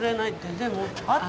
でもあった